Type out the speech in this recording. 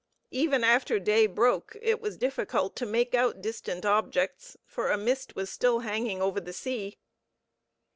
Even after day broke it was difficult to make out distant objects, for a mist was still hanging over the sea.